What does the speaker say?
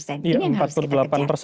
ini yang harus kita kejar